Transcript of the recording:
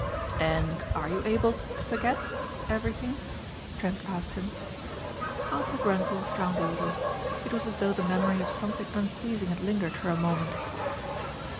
"And are you able to forget everything?" Trent asked him. Arthur Grenvil frowned a little. It was as though the memory of something unpleasing had lingered for a moment.